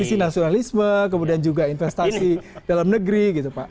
sisi nasionalisme kemudian juga investasi dalam negeri gitu pak